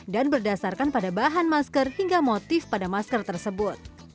dan berdasarkan pada bahan masker hingga motif pada masker tersebut